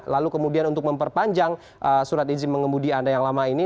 lalu kemudian untuk memperpanjang surat izin mengemudi anda yang lama ini